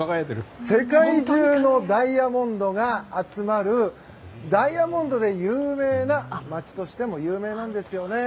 世界中のダイヤモンドが集まるダイヤモンドで有名な街としても有名なんですよね。